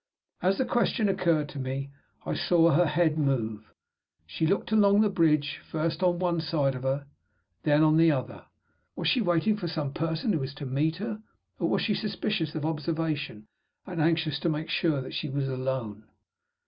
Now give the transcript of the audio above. As the question occurred to me, I saw her head move. She looked along the bridge, first on one side of her, then on the other. Was she waiting for some person who was to meet her? Or was she suspicious of observation, and anxious to make sure that she was alone?